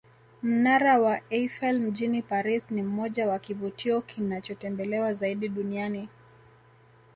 Mnara wa Eifel mjini Paris ni mmoja ya kivutio kinachotembelewa zaidi duniani